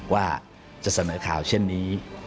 ว่าจะเสนอข่าวเช่นนี้